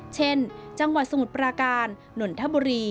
เช่นจังหวัดสมุทรปราการนนทบุรี